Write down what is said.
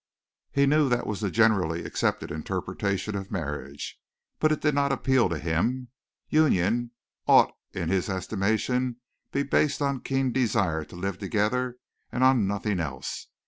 He knew that was the generally accepted interpretation of marriage, but it did not appeal to him. Union ought in his estimation to be based on a keen desire to live together and on nothing else.